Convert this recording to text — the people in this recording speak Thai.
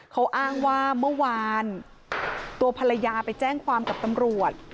เขาอ้างว่าเมื่อวานตัวภรรยาไปแจ้งความกับตำรวจ